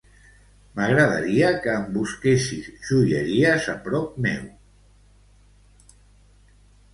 M'agradaria que em busquessis joieries a prop meu.